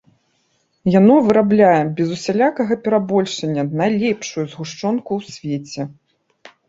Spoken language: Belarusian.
Яно вырабляе без усялякага перабольшання найлепшую згушчонку ў свеце.